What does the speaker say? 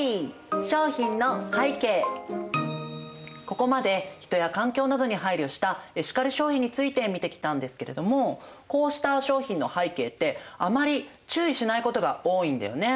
ここまで人や環境などに配慮したエシカル消費について見てきたんですけれどもこうした商品の背景ってあまり注意しないことが多いんだよね。